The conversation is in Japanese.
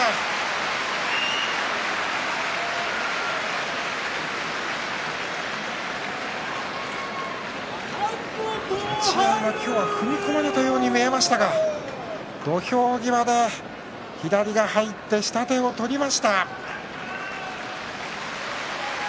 拍手立ち合い踏み込まれたように見えましたが土俵際で左が入って下手を取りました。